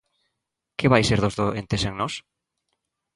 Que vai ser dos doentes sen nós?